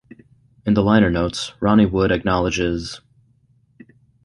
In the liner notes, Ronnie Wood acknowledges...